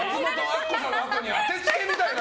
明子さんのあとに当てつけみたいな。